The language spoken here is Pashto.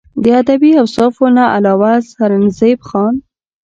د ادبي اوصافو نه علاوه سرنزېب خان